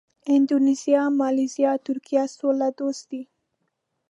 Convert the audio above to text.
اندونیزیا، مالیزیا، ترکیه سوله دوست دي.